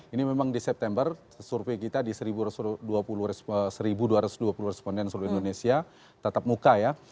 ini memang di september survei kita di satu dua ratus dua puluh responden seluruh indonesia tetap muka ya